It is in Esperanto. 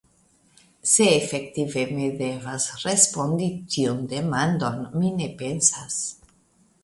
Se efektive mi devas respondi tiun demandon, mi ne pensas.